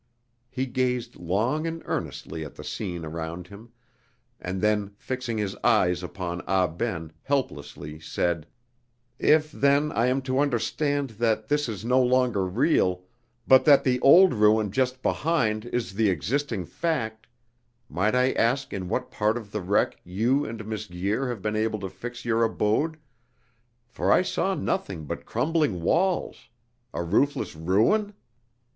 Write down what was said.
He gazed long and earnestly at the scene around him, and then fixing his eyes upon Ah Ben, helplessly, said: "If then I am to understand that this is no longer real, but that the old ruin just beheld is the existing fact, might I ask in what part of the wreck you and Miss Guir have been able to fix your abode, for I saw nothing but crumbling walls a roofless ruin?"